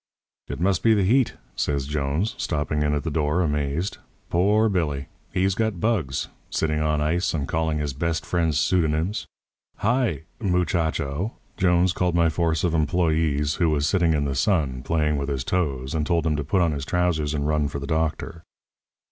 "'It must be the heat,' says Jones, stopping in at the door, amazed. 'Poor Billy. He's got bugs. Sitting on ice, and calling his best friends pseudonyms. Hi! muchacho!' Jones called my force of employees, who was sitting in the sun, playing with his toes, and told him to put on his trousers and run for the doctor.